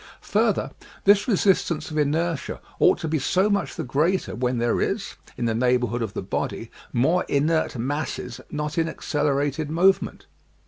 Further, this resistance of inertia ought to be so much the greater when there is, in the neighborhood of the body, more inert masses not in accelerated movement.